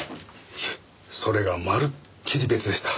いえそれがまるっきり別でした。